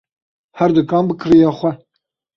Her dikan bi kirêya xwe.